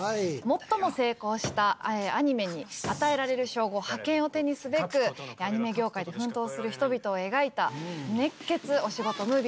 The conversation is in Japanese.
最も成功したアニメに与えられる称号覇権を手にすべくアニメ業界で奮闘する人々を描いた熱血お仕事ムービーとなっております。